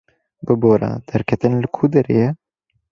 Bibore, derketin li ku derê ye?